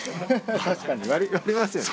確かに割りますよね。